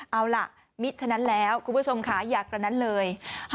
เอาล่ะมิฉะนั้นแล้วคุณผู้ชมค่ะอยากกระนั้นเลย